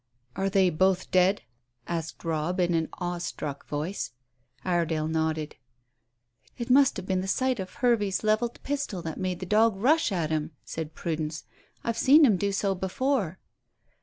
"Are they both dead?" asked Robb, in an awestruck voice. Iredale nodded. "It must have been the sight of Hervey's levelled pistol that made the dog rush at him," said Prudence. "I've seen him do so before."